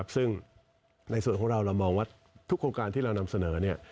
ซึ่งในส่วนของเราเรามองว่าทุกโครงการที่เรานำเสนอ